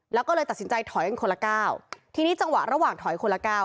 แล้วก็เลยตัดสินใจถอยกันคนละก้าวทีนี้จังหวะระหว่างถอยคนละก้าว